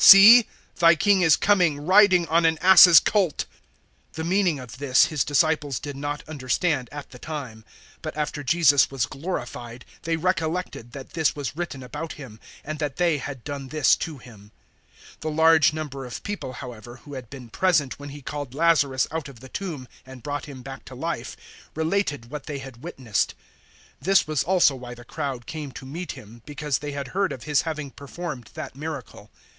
See, thy King is coming riding on an ass's colt." 012:016 The meaning of this His disciples did not understand at the time; but after Jesus was glorified they recollected that this was written about Him, and that they had done this to Him. 012:017 The large number of people, however, who had been present when He called Lazarus out of the tomb and brought him back to life, related what they had witnessed. 012:018 This was also why the crowd came to meet Him, because they had heard of His having performed that miracle.